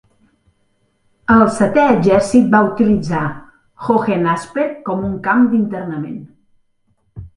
El setè exèrcit va utilitzar Hohenasperg com un camp d'internament.